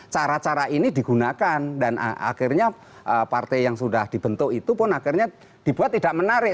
cara cara ini digunakan dan akhirnya partai yang sudah dibentuk itu pun akhirnya dibuat tidak menarik